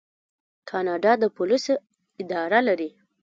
کاناډا د پولیسو اداره لري.